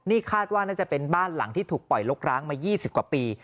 นี่คาดว่าน่าจะเป็นบ้านหลังที่ถูกปล่อยลกร้างมา๒๐กว่าปี